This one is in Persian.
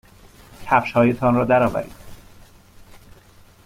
کفشهایتان را درآورید.